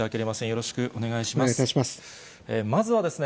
よろしくお願いします。